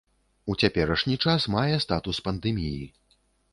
У цяперашні час мае статус пандэміі.